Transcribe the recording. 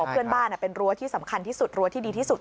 เพื่อนบ้านเป็นรั้วที่สำคัญที่สุดรั้วที่ดีที่สุด